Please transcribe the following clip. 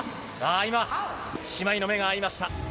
今、姉妹の目が合いました。